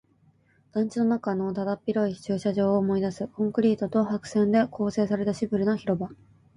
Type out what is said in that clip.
団地の中のだだっ広い駐車場を思い出す。コンクリートと白線で構成されたシンプルな広場。